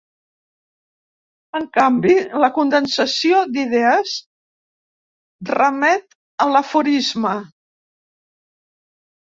En canvi, la condensació d'idees remet a l'aforisme.